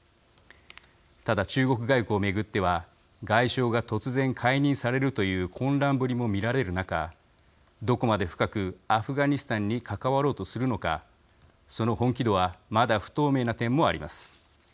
ただ中国外交を巡っては外相が突然解任されるという混乱ぶりも見られる中どこまで深くアフガニスタンに関わろうとするのかその本気度はまだ不透明な点もあります。